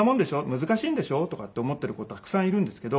難しいんでしょ？とかって思ってる子たくさんいるんですけど。